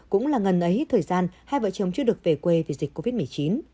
cũng là ngần ấy thời gian hai vợ chồng chưa được về quê vì dịch covid một mươi chín